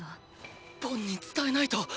ボンに伝えないと！